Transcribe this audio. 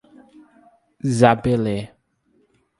Zabelê